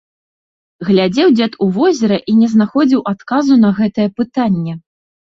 Глядзеў дзед у возера і не знаходзіў адказу на гэтае пытанне.